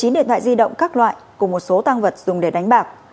một mươi chín điện thoại di động các loại cùng một số tăng vật dùng để đánh bạc